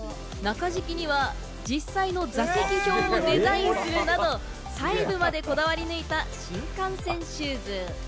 中敷きには実際の座席表をデザインするなど、細部までこだわり抜いた新幹線シューズ。